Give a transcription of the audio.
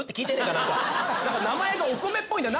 なんか名前がお米っぽいんだよ。